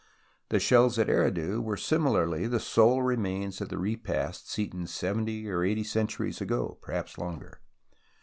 The shells at Eridu were similarly the sole remains of repasts eaten seventy or eighty centuries ago, perhaps longer.